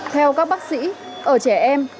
theo các bác sĩ ở trẻ em